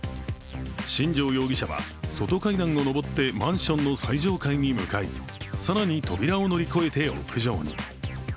新城容疑者は、外階段を上ってマンションの最上階に向かい、更に扉を乗り越えて屋上に。